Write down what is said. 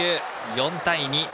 ４対２。